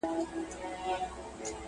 قاتل هم ورسره ژاړي لاس په وینو تر څنګلي٫